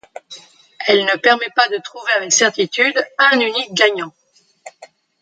Elle ne permet pas de trouver avec certitude un unique gagnant.